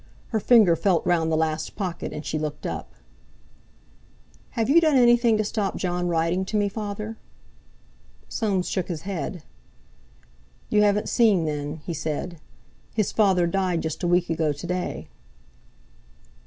Her finger felt round the last pocket, and she looked up. "Have you done anything to stop Jon writing to me, Father?" Soames shook his head. "You haven't seen, then?" he said. "His father died just a week ago to day."